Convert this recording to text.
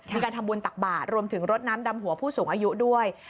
มีการทำบุญตักบาทรวมถึงรถน้ำดำหัวผู้สูงอายุด้วย